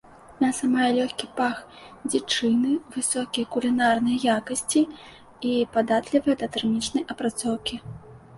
Мяса мае лёгкі пах дзічыны, высокія кулінарныя якасці і падатлівае да тэрмічнай апрацоўкі.